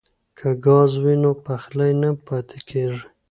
که ګاز وي نو پخلی نه پاتې کیږي.